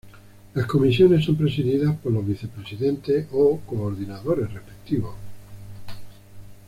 Las Comisiones son presididas por los Vicepresidentes o Coordinadores respectivos.